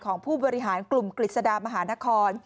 ผู้บริหารกลุ่มกฤษฎามหานคร